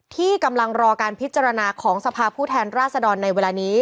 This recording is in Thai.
ที่กำลังรอการพิจารณาของสภาพผู้แทนราษฎรในเวลานี้